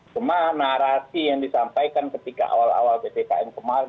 cuma narasi yang disampaikan ketika awal awal ppkm kemarin